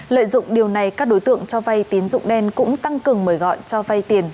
lợi dụng điều này các đối tượng cho vay tín dụng đen cũng tăng cường mời gọi cho vay tiền